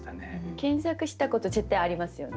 検索したこと絶対ありますよね？